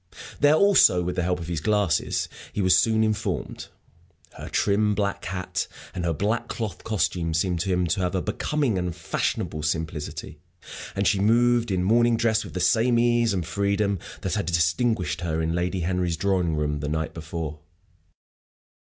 There also, with the help of his glasses, he was soon informed. Her trim, black hat and her black cloth costume seemed to him to have a becoming and fashionable simplicity; and she moved in morning dress, with the same ease and freedom that had distinguished her in Lady Henry's drawing room the night before.